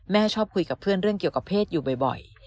ชอบคุยกับเพื่อนเรื่องเกี่ยวกับเพศอยู่บ่อย